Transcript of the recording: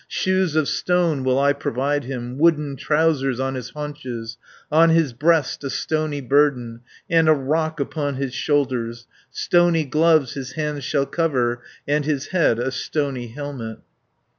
60 Shoes of stone will I provide him, Wooden trousers on his haunches; On his breast a stony burden, And a rock upon his shoulders; Stony gloves his hands shall cover. And his head a stony helmet."